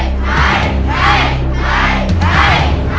ใช่